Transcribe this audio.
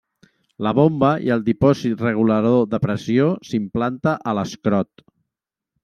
La bomba i el dipòsit regulador de pressió s'implanta a l'escrot.